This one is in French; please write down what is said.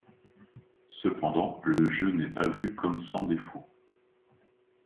Cependant, le jeu n'est pas vu comme sans défaut.